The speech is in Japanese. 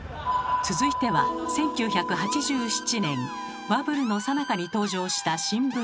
続いては１９８７年バブルのさなかに登場した新聞記事。